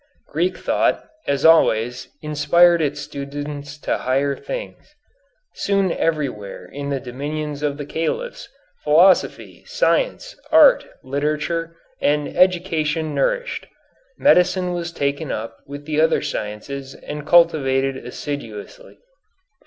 Greek thought, as always, inspired its students to higher things. Soon everywhere in the dominions of the Caliphs, philosophy, science, art, literature, and education nourished. Medicine was taken up with the other sciences and cultivated assiduously.